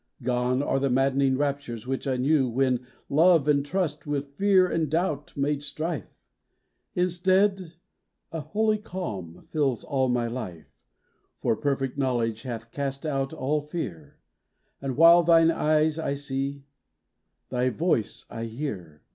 Gone are the maddening raptures which I knew When love and trust with fear and doubt made strife; Instead, a holy calm fills all my life, For perfect knowledge hath cast out all fear; And while thine eyes I see, thy voice I hear.